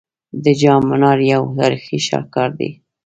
د جام منار یو تاریخي شاهکار دی